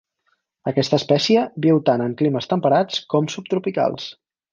Aquesta espècie viu tant en climes temperats com subtropicals.